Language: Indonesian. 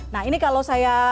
nah ini kalau saya